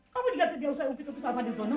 kamu juga tidak usah ukit ukit sama dik